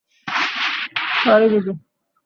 Sorry, দিদি।